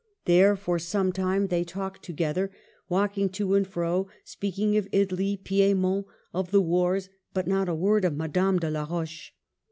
There for some time they talked together, walking to and fro, speak ing of Italy, Piedmont, of the wars, but not a word of Madame de la Roche.